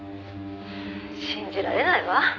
「信じられないわ」